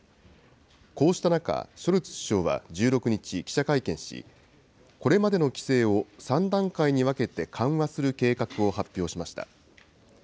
こうした中、ショルツ首相は１６日、記者会見し、これまでの規制を３段階に分けて緩和する計画を発表しました。